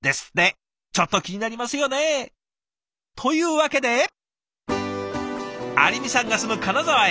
ちょっと気になりますよね？というわけで有美さんが住む金沢へ。